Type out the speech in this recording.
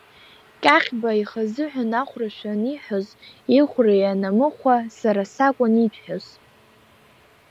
Кьахьба ихазыҳәан Ахәрашәа аниҳәоз, ихәра ианамыхәа, сара сакәын иҭәҳәоз.